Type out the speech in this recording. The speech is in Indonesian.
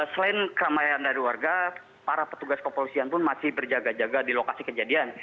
selain keramaian dari warga para petugas kepolisian pun masih berjaga jaga di lokasi kejadian